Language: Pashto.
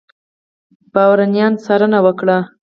بارونیان څارنه وکړي.